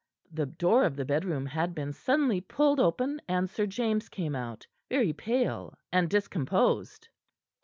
The door of the bedroom had been suddenly pulled open, and Sir James came out, very pale and discomposed.